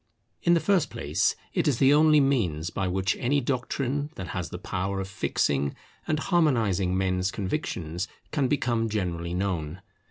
In the first place, it is the only means by which any doctrine that has the power of fixing and harmonizing men's convictions can become generally known.